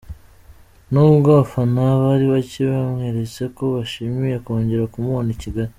Nubwo abafana bari bake bamweretse ko bishimiye kongera kumubona i Kigali.